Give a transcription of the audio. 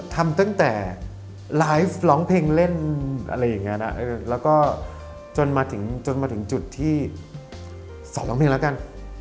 ทำตั้งแต่ไลฟ์ร้องเพลงเล่นอะไรอย่างนี้นะแล้วก็จนมาถึงจนมาถึงจุดที่สอนร้องเพลงแล้วกัน